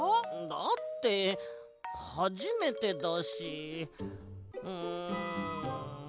だってはじめてだしん。